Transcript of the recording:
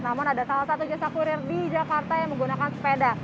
namun ada salah satu jasa kurir di jakarta yang menggunakan sepeda